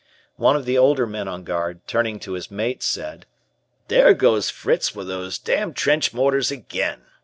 One of the older men on guard, turning to his mate, said: "There goes Fritz with those damned trench mortars again.